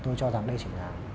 tôi cho rằng đây chỉ là